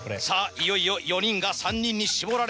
いよいよ４人が３人に絞られます。